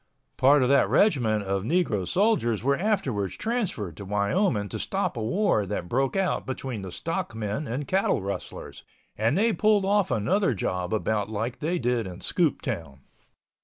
Part of that regiment of negro soldiers were afterwards transferred to Wyoming to stop a war that broke out between the stock men and cattle rustlers, and they pulled off another job about like they did in Scooptown.